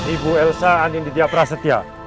ibu elsa anindidya prasetya